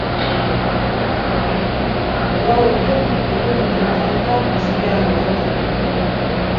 Lau autok egin dute talka ezbehar horretan.